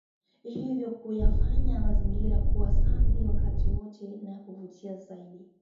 Hivyo kuyafanya mazingira kuwa safi wakati wote na kuvutia zaidi